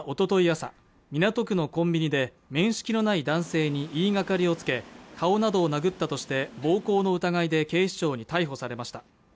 朝港区のコンビニで面識のない男性に言いがかりをつけ顔などを殴ったとして暴行の疑いで警視庁に逮捕されました